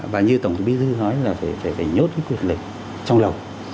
và như tổng thống bí dư nói là phải nhốt cái quyền lực trong lòng